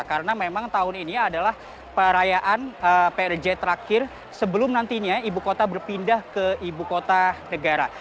karena memang tahun ini adalah perayaan prj terakhir sebelum nantinya ibu kota berpindah ke ibu kota negara